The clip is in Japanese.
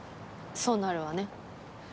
そうなるわね。